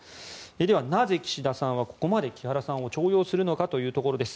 では、なぜ岸田さんはここまで木原さんを重用するのかというところです。